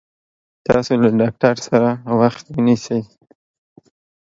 تاسو له ډاکټر سره وخت ونيسي